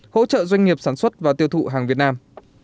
hỗ trợ doanh nghiệp sản xuất và tiêu thụ hàng việt nam